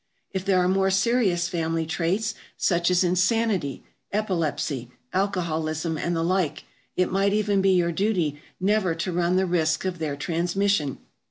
If there are more serious family traits, such as insanity, epilepsy, alcoholism and the like, it might even be your duty never to run the risk of their transmission.